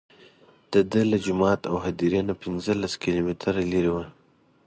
دده له جومات او هدیرې نه پنځه لس کیلومتره لرې وه.